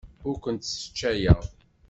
Ur kent-sseccayeɣ.